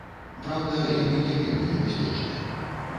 Праўда, яны не вельмі небяспечныя.